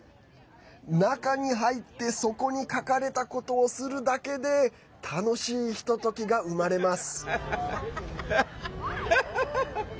中に入ってそこに書かれたことをするだけで楽しいひとときが生まれます。